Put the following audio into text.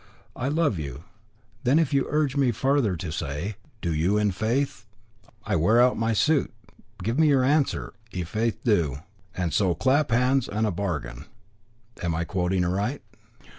'I love you: then if you urge me farther than to say, "Do you in faith?" I wear out my suit. Give me your answer; i' faith, do: and so clap hands and a bargain.' Am I quoting aright?"